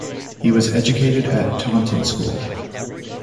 He was educated at Taunton School.